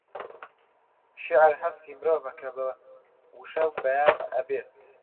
شێعر هەستی مرۆڤە کە بە وشە بەیان ئەبێت